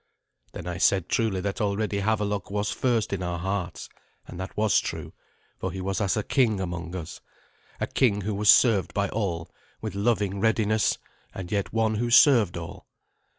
Then I said truly that already Havelok was first in our hearts. And that was true, for he was as a king among us a king who was served by all with loving readiness, and yet one who served all.